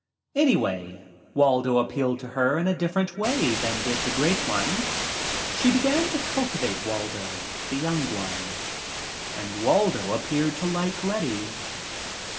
Anyway, Waldo appealed to her in a different way than did the Great One. She began to cultivate Waldo, the young one. And Waldo appeared to like Letty.